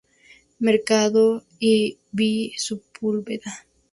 Mercado y V. Sepúlveda.